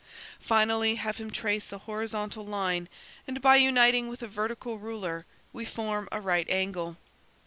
"Finally, have him trace a horizontal line, and by uniting with it a vertical ruler we form a right angle.